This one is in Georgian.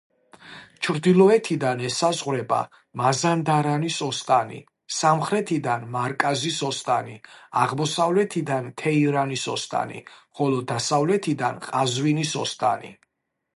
ჩრდილოეთიდან ესაზღვრება მაზანდარანის ოსტანი, სამხრეთიდან მარკაზის ოსტანი, აღმოსავლეთიდან თეირანის ოსტანი, ხოლო დასავლეთიდან ყაზვინის ოსტანი.